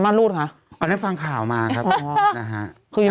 ม่านรูทเฮียนมดที่